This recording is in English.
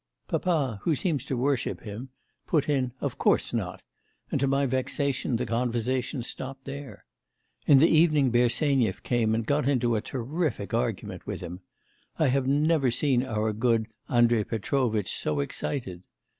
'Papa, who seems to worship him, put in "of course not"; and to my vexation the conversation stopped there. In the evening Bersenyev came and got into a terrific argument with him. I have never seen our good Andrei Petrovitch so excited.